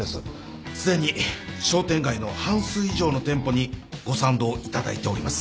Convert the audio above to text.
すでに商店街の半数以上の店舗にご賛同いただいております。